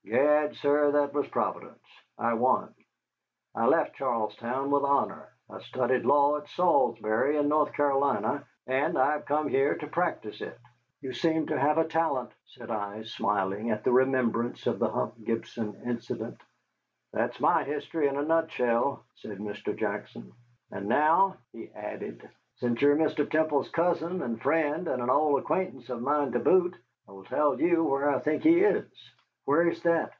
Gad, sir, that was providence. I won. I left Charlestown with honor, I studied law at Salisbury in North Carolina, and I have come here to practise it." "You seem to have the talent," said I, smiling at the remembrance of the Hump Gibson incident. "That is my history in a nutshell," said Mr. Jackson. "And now," he added, "since you are Mr. Temple's cousin and friend and an old acquaintance of mine to boot, I will tell you where I think he is." "Where is that?"